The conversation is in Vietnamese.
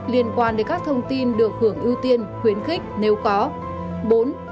liên quan đến các thông tin được hưởng ưu tiên khuyến khích nếu có